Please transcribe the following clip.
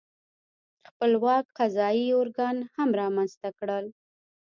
خپلواک قضايي ارګان هم رامنځته کړل.